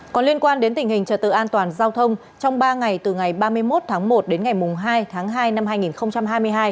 còn liên quan đến tình hình trật tự an toàn giao thông trong ba ngày từ ngày ba mươi một tháng một đến ngày hai tháng hai năm hai nghìn hai mươi hai